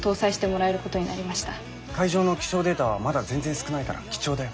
海上の気象データはまだ全然少ないから貴重だよ。